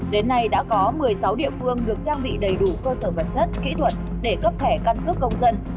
đến nay đã có một mươi sáu địa phương được trang bị đầy đủ cơ sở vật chất kỹ thuật để cấp thẻ căn cước công dân